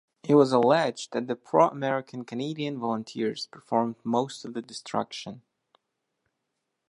It was alleged that the pro-American Canadian Volunteers performed most of the destruction.